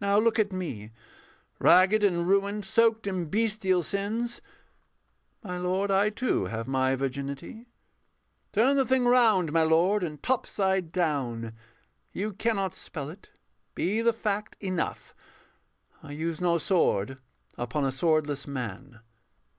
Now look at me, Ragged and ruined, soaked in bestial sins: My lord, I too have my virginity Turn the thing round, my lord, and topside down, You cannot spell it. Be the fact enough, I use no sword upon a swordless man.